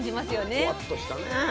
あのふわっとしたね。